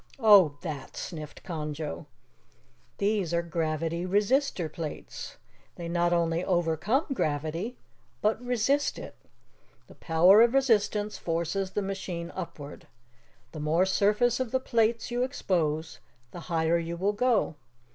"Oh, that," sniffed Conjo. "These are gravity resistor plates. They not only overcome gravity, but resist it. The power of resistance forces the machine upward. The more surface of the plates you expose, the higher you will go.